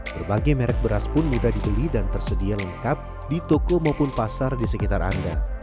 berbagai merek beras pun mudah dibeli dan tersedia lengkap di toko maupun pasar di sekitar anda